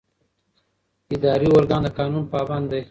اداري ارګان د قانون پابند دی.